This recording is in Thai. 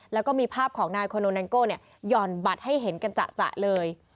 แล้วก็มีภาพของนายโคโนแนนโก้หย่อนบัตรให้เห็นกันจะเลย